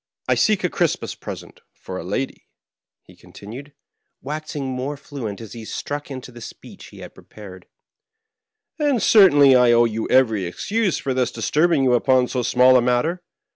I seek a Christmas present for a lady," he continued, waxing more fluent as he struck into the speech he had pre pared ;" and certainly I owe you every excuse for thus disturbing you upon so small a matter.